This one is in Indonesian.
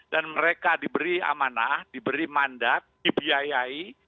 mereka diberi amanah diberi mandat dibiayai